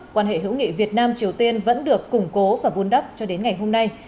quan hệ hữu nghị việt nam triều tiên vẫn được củng cố và vun đắp cho đến ngày hôm nay